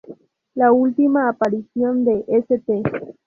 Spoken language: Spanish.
La última aparición de St.